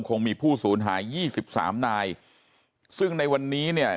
คงมีผู้ศูนย์หาย๒๓นายซึ่งในวันนี้เนี่ย